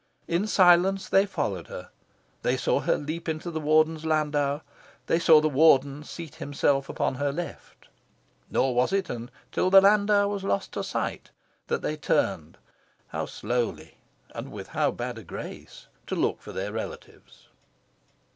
In silence they followed her. They saw her leap into the Warden's landau, they saw the Warden seat himself upon her left. Nor was it until the landau was lost to sight that they turned how slowly, and with how bad a grace! to look for their relatives.